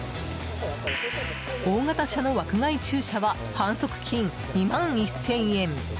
大型車の枠外駐車は反則金２万１０００円。